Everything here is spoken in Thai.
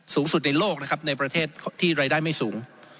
สูงสุดในโลกนะครับในประเทศที่รายได้ไม่สูง